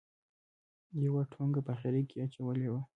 یوه ټونګه په اخره کې اچولې وه.